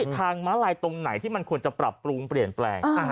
ทางม้าลายตรงไหนที่มันควรจะปรับปรุงเปลี่ยนแปลง